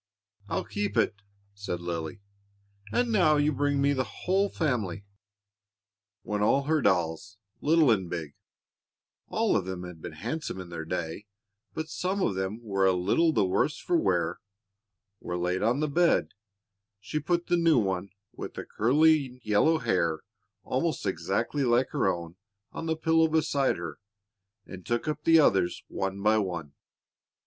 "I'll keep it," said Lily; "and now you bring me the whole family." When all her dolls, little and big all of them had been handsome in their day, but some of them were a little the worse for wear were laid on the bed, she put the new one, with curling yellow hair almost exactly like her own, on the pillow beside her, and took up the others one by one.